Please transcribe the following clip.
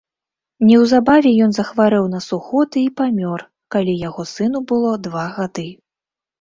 Неўзабаве ён захварэў на сухоты і памёр, калі яго сыну было два гады.